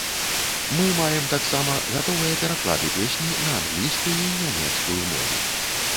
Мы маем таксама гатовыя пераклады песні на англійскую і нямецкую мову.